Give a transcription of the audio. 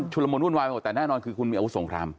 ชุดละมนต์วุ่นวายแต่แน่นอนคือคุณมีอาวุธสงคราม